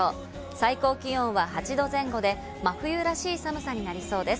最高気温は８度前後で真冬らしい寒さになりそうです。